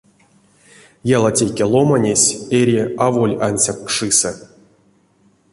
Ялатеке ломанесь эри аволь ансяк кшисэ.